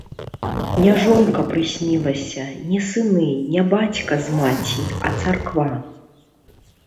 Не жонка прыснілася, не сыны, не бацька з маці, а царква.